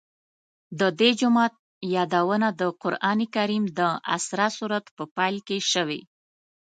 د دې جومات یادونه د قرآن کریم د اسراء سورت په پیل کې شوې.